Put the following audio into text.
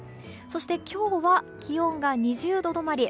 そして今日は気温が２０度止まり。